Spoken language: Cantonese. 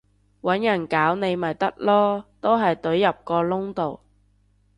搵人搞你咪得囉，都係隊入個窿度